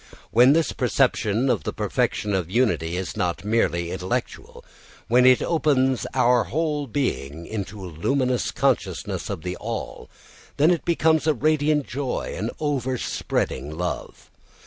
When this perception of the perfection of unity is not merely intellectual, when it opens out our whole being into a luminous consciousness of the all, then it becomes a radiant joy, an overspreading love.